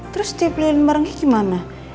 terus tiplin barengnya gimana